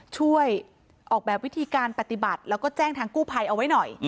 ช่วยออกแบบวิธีการปฏิบัติแล้วก็แจ้งทางกู้ภัยเอาไว้หน่อย